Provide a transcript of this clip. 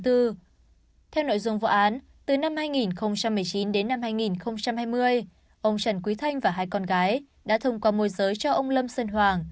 theo nội dung vụ án từ năm hai nghìn một mươi chín đến năm hai nghìn hai mươi ông trần quý thanh và hai con gái đã thông qua môi giới cho ông lâm sơn hoàng